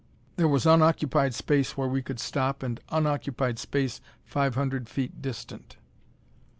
There was unoccupied space where we could stop and unoccupied space five hundred feet distant.